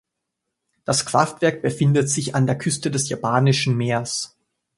Das Kraftwerk befindet sich an der Küste des Japanischen Meeres.